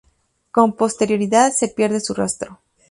Con posterioridad se pierde su rastro.